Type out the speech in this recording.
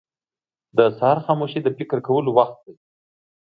• د سهار خاموشي د فکر کولو وخت دی.